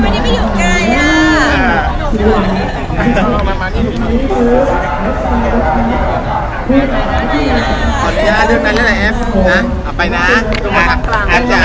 ทำไมไม่ได้ไปอยู่ไกลอ่ะ